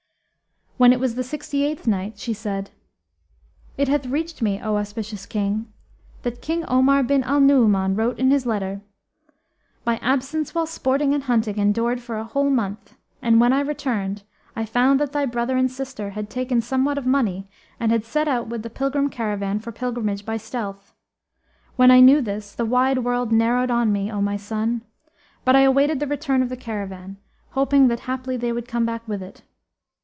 When it was the Sixty eighth night, She said, It hath reached me, O auspicious King, that King Omar bin al Nu'uman wrote in his letter, "My absence while sporting and hunting endured for a whole month, and when I returned I found that thy brother and sister had taken somewhat of money and had set out with the pilgrim caravan for pilgrimage by stealth. When I knew this, the wide world narrowed on me, O my son! but I awaited the return of the caravan, hoping that haply they would come back with it.